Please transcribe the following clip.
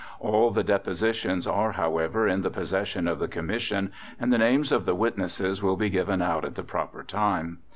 All the depositions are, however, in the possession of the Commission and the names of the witnesses will be given out at the proper time.